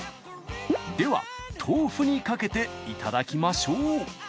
では豆腐にかけていただきましょう！